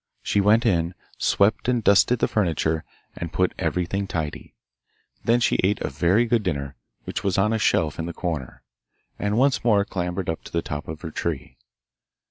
She went in, swept and dusted the furniture, and put everything tidy. Then she ate a very good dinner, which was on a shelf in the corner, and once more clambered up to the top of her tree.